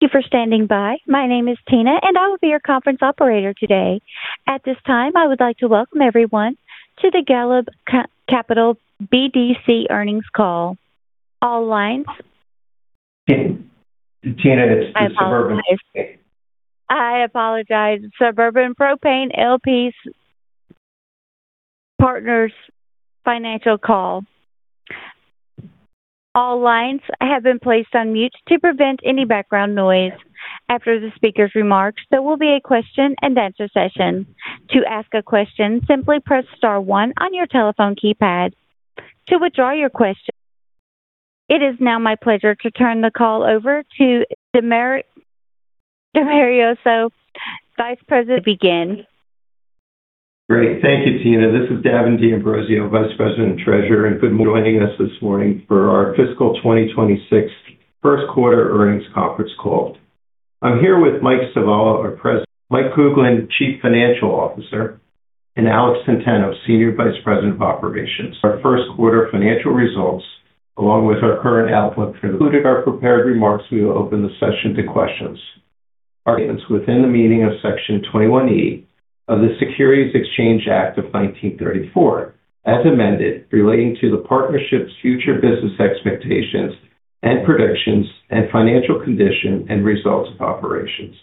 Thank you for standing by. My name is Tina, and I will be your conference operator today. At this time, I would like to welcome everyone to the [Golub Capital BBC] Earnings Call. All lines- Tina, it's Suburban. I apologize. I apologize. Suburban Propane Partners, L.P. Financial Call. All lines have been placed on mute to prevent any background noise. After the speaker's remarks, there will be a question-and-answer session. To ask a question, simply press star one on your telephone keypad. To withdraw your question. It is now my pleasure to turn the call over to Davin D'Ambrosio, Vice President to begin. Great. Thank you, Tina. This is Davin D'Ambrosio, Vice President and Treasurer, and good morning joining us this morning for our fiscal 2026 first quarter earnings conference call. I'm here with Mike Stivala, our President, Mike Kuglin, Chief Financial Officer, and Alex Centeno, Senior Vice President of Operations. Our first quarter financial results, along with our current outlook, included our prepared remarks. We will open the session to questions. Our statements within the meaning of Section 21E of the Securities Exchange Act of 1934, as amended, relating to the partnership's future business expectations and predictions and financial condition and results of operations.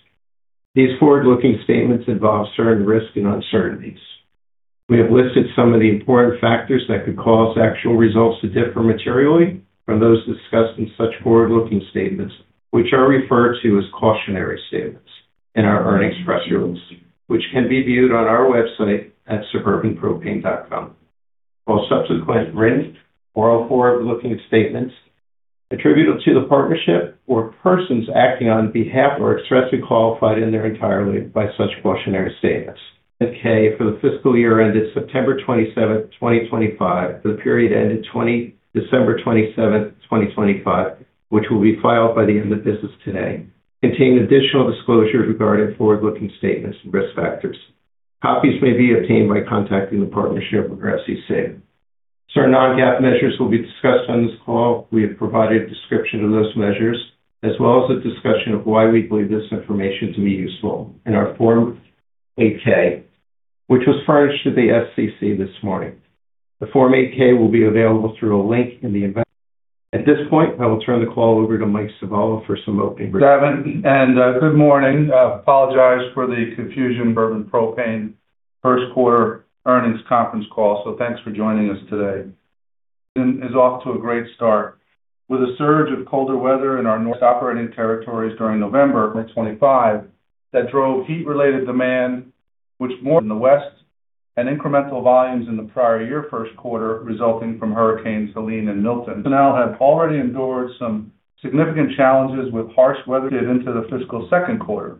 These forward-looking statements involve certain risks and uncertainties. We have listed some of the important factors that could cause actual results to differ materially from those discussed in such forward-looking statements, which are referred to as cautionary statements in our earnings press release, which can be viewed on our website at suburbanpropane.com. All subsequent written, oral forward-looking statements attributable to the partnership or persons acting on behalf are expressly qualified in their entirety by such cautionary statements. Okay, for the fiscal year ended September 27, 2025, for the period ended December 27, 2025, which will be filed by the end of business today, contain additional disclosures regarding forward-looking statements and risk factors. Copies may be obtained by contacting the partnership or SEC. Certain non-GAAP measures will be discussed on this call. We have provided a description of those measures, as well as a discussion of why we believe this information to be useful in our Form 8-K, which was furnished to the SEC this morning. The Form 8-K will be available through a link in the event. At this point, I will turn the call over to Mike Stivala for some opening remarks. Davin, and good morning. I apologize for the confusion, Suburban Propane first quarter earnings conference call. So thanks for joining us today. Is off to a great start with a surge of colder weather in our north operating territories during November of 2025, that drove heat-related demand, which more in the West and incremental volumes in the prior year first quarter, resulting from Hurricane Helene and Milton. Now have already endured some significant challenges with harsh weather into the fiscal second quarter.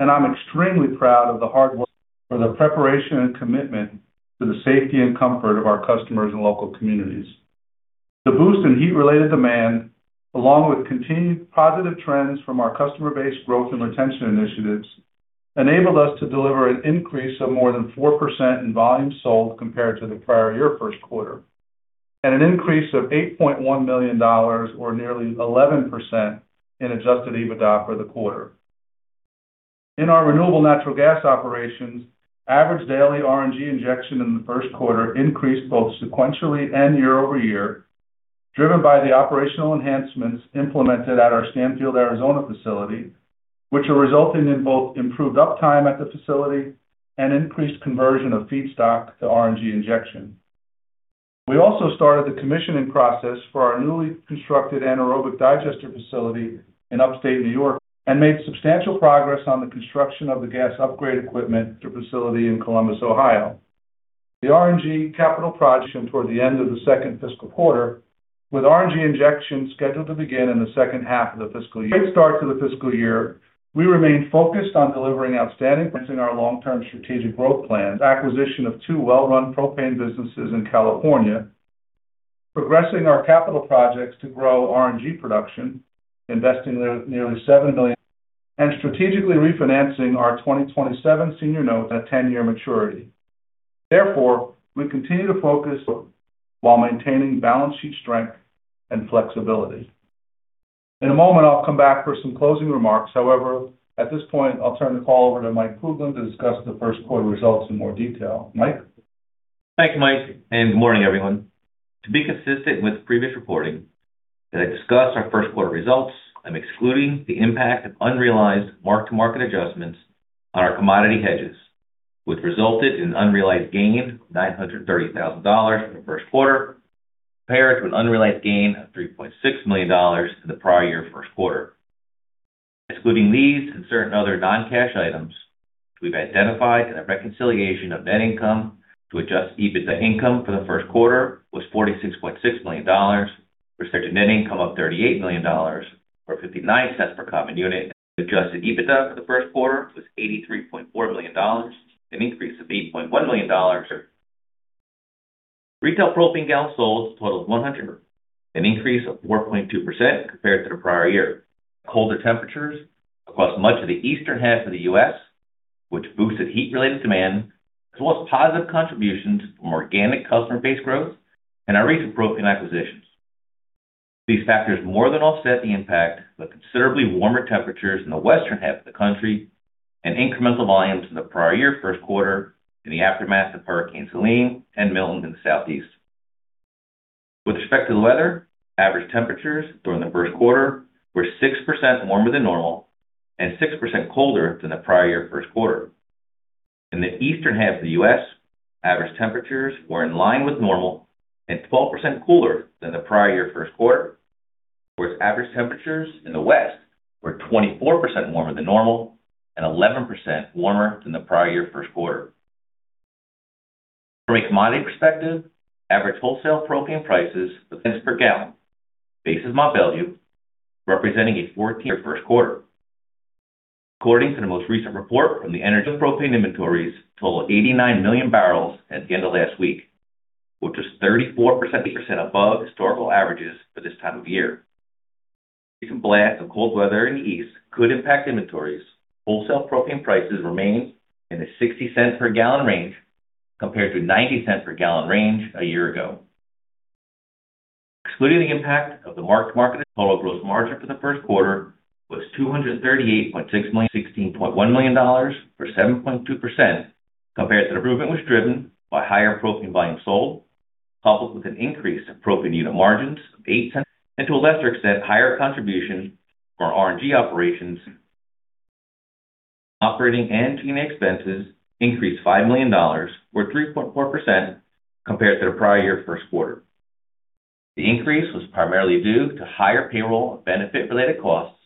I'm extremely proud of the hard work, the preparation, and commitment to the safety and comfort of our customers and local communities. The boost in heat-related demand, along with continued positive trends from our customer base growth and retention initiatives, enabled us to deliver an increase of more than 4% in volume sold compared to the prior year first quarter, and an increase of $8.1 million or nearly 11% in adjusted EBITDA for the quarter. In our renewable natural gas operations, average daily RNG injection in the first quarter increased both sequentially and year-over-year, driven by the operational enhancements implemented at our Stanfield, Arizona facility, which are resulting in both improved uptime at the facility and increased conversion of feedstock to RNG injection. We also started the commissioning process for our newly constructed anaerobic digester facility in Upstate New York and made substantial progress on the construction of the gas upgrade equipment at the facility in Columbus, Ohio. The RNG capital project toward the end of the second fiscal quarter, with RNG injection scheduled to begin in the second half of the fiscal year. Great start to the fiscal year, we remain focused on delivering outstanding in our long-term strategic growth plans, acquisition of two well-run propane businesses in California, progressing our capital projects to grow RNG production, investing nearly $7 million, and strategically refinancing our 2027 senior notes at 10-year maturity. Therefore, we continue to focus while maintaining balance sheet strength and flexibility. In a moment, I'll come back for some closing remarks. However, at this point, I'll turn the call over to Mike Kuglin to discuss the first quarter results in more detail. Mike? Thank you, Mike, and good morning, everyone. To be consistent with previous reporting, as I discuss our first quarter results, I'm excluding the impact of unrealized mark-to-market adjustments on our commodity hedges, which resulted in unrealized gain of $930,000 in the first quarter, compared to an unrealized gain of $3.6 million in the prior year first quarter. Excluding these and certain other non-cash items, we've identified in our reconciliation of net income to adjusted EBITDA income for the first quarter was $46.6 million, versus net income of $38 million or $0.59 per common unit. Adjusted EBITDA for the first quarter was $83.4 million, an increase of $8.1 million. Retail propane gallons sold totaled 100 million, an increase of 4.2% compared to the prior year. Colder temperatures across much of the eastern half of the U.S., which boosted heat-related demand, as well as positive contributions from organic customer base growth and our recent propane acquisitions. These factors more than offset the impact of considerably warmer temperatures in the western half of the country and incremental volumes in the prior year first quarter in the aftermath of Hurricane Helene and Milton in the Southeast. With respect to the weather, average temperatures during the first quarter were 6% warmer than normal and 6% colder than the prior year first quarter. In the eastern half of the U.S., average temperatures were in line with normal and 12% cooler than the prior year first quarter, whereas average temperatures in the west were 24% warmer than normal and 11% warmer than the prior year first quarter. From a commodity perspective, average wholesale propane prices per gallon base month value representing a first quarter. According to the most recent report from the EIA, propane inventories totaled 89 MMbbl at the end of last week, which is 34% above historical averages for this time of year. If cold weather in the east could impact inventories. Wholesale propane prices remained in the $0.60 per gallon range, compared to $0.90 per gallon range a year ago. Excluding the impact of the mark-to-market, total gross margin for the first quarter was $238.6 million, $16.1 million, or 7.2%, compared to the improvement was driven by higher propane volume sold, coupled with an increase in propane unit margins of $0.08, and to a lesser extent, higher contribution from our RNG operations. Operating and G&A expenses increased $5 million, or 3.4%, compared to the prior year first quarter. The increase was primarily due to higher payroll and benefit-related costs,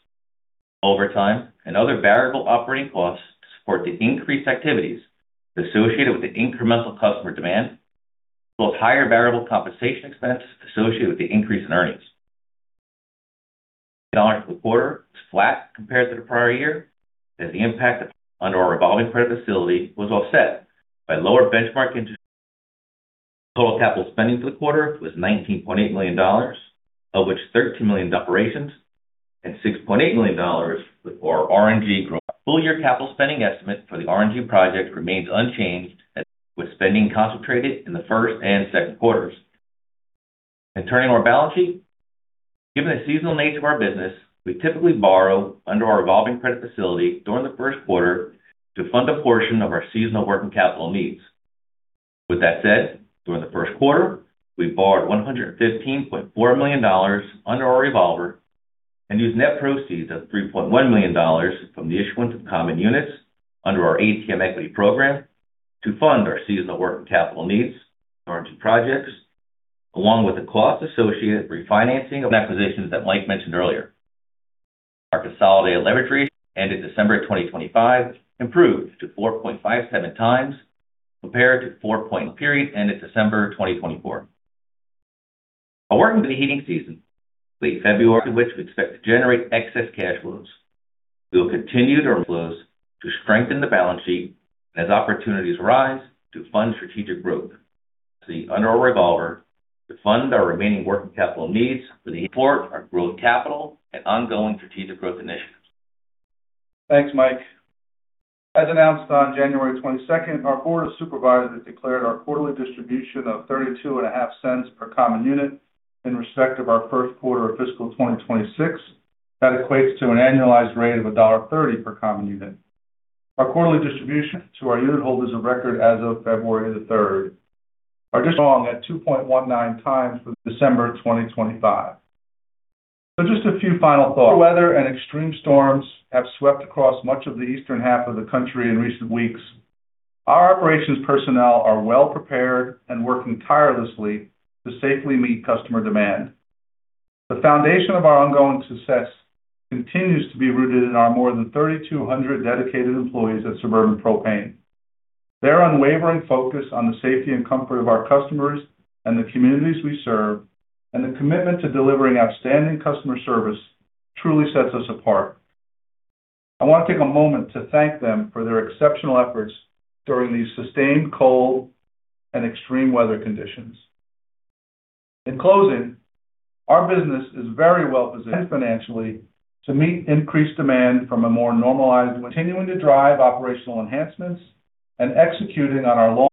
overtime, and other variable operating costs to support the increased activities associated with the incremental customer demand, as well as higher variable compensation expenses associated with the increase in earnings. Dollars for the quarter was flat compared to the prior year, as the impact under our revolving credit facility was offset by lower benchmark interest. Total capital spending for the quarter was $19.8 million, of which $13 million operations and $6.8 million was for our RNG growth. Full year capital spending estimate for the RNG project remains unchanged, with spending concentrated in the first and second quarters. Turning to our balance sheet. Given the seasonal nature of our business, we typically borrow under our revolving credit facility during the first quarter to fund a portion of our seasonal working capital needs. With that said, during the first quarter, we borrowed $115.4 million under our revolver and used net proceeds of $3.1 million from the issuance of common units under our ATM equity program to fund our seasonal working capital needs, RNG projects, along with the costs associated with refinancing of acquisitions that Mike mentioned earlier. Our consolidated leverage rate ended December of 2025 improved to 4.57x, compared to [4.3x] for the period ended December 2024. While working in the heating season, late February, which we expect to generate excess cash flows, we will continue to flows to strengthen the balance sheet as opportunities arise to fund strategic growth. The under our revolver to fund our remaining working capital needs for the support of growing capital and ongoing strategic growth initiatives. Thanks, Mike. As announced on January 22, our Board of Supervisors declared our quarterly distribution of $0.325 per common unit in respect of our first quarter of fiscal 2026. That equates to an annualized rate of $1.30 per common unit. Our quarterly distribution to our unitholders of record as of February 3rd, are strong at 2.19x for December 2025. So just a few final thoughts. Weather and extreme storms have swept across much of the eastern half of the country in recent weeks. Our operations personnel are well prepared and working tirelessly to safely meet customer demand. The foundation of our ongoing success continues to be rooted in our more than 3,200 dedicated employees at Suburban Propane. Their unwavering focus on the safety and comfort of our customers and the communities we serve, and the commitment to delivering outstanding customer service truly sets us apart. I want to take a moment to thank them for their exceptional efforts during these sustained cold and extreme weather conditions. In closing, our business is very well positioned financially to meet increased demand from a more normalized, continuing to drive operational enhancements and executing on our long...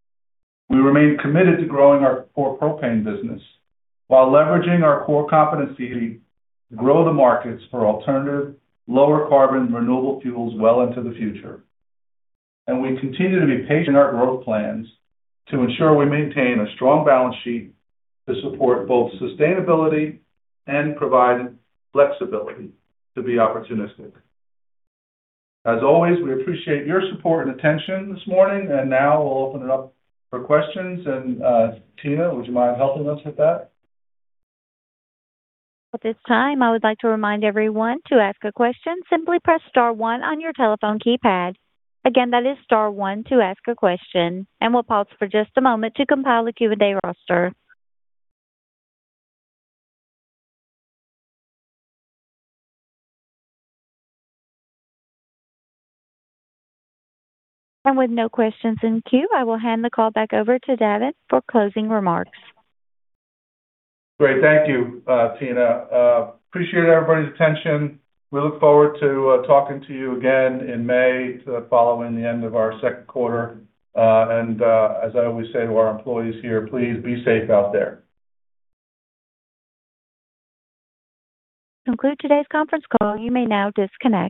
We remain committed to growing our core propane business while leveraging our core competency to grow the markets for alternative, lower carbon, renewable fuels well into the future. We continue to be patient in our growth plans to ensure we maintain a strong balance sheet to support both sustainability and provide flexibility to be opportunistic. As always, we appreciate your support and attention this morning, and now we'll open it up for questions. And, Tina, would you mind helping us with that? At this time, I would like to remind everyone to ask a question, simply press star one on your telephone keypad. Again, that is star one to ask a question, and we'll pause for just a moment to compile the Q&A roster. With no questions in queue, I will hand the call back over to Davin for closing remarks. Great. Thank you, Tina. Appreciate everybody's attention. We look forward to talking to you again in May following the end of our second quarter. And as I always say to our employees here, please be safe out there. Conclude today's conference call. You may now disconnect.